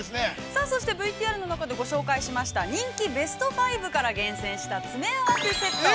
◆さぁそしてＶＴＲの中でご紹介しました人気ベスト５から厳選した詰め合わせセット。